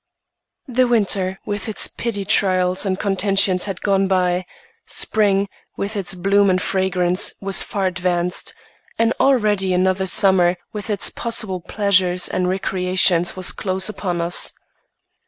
The winter, with its petty trials and contentions, had gone by; spring, with its bloom and fragrance, was far advanced; and already another summer, with its possible pleasures and recreations, was close upon us.